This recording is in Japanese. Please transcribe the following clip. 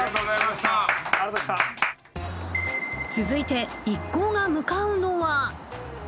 続いて一行が向かうのは。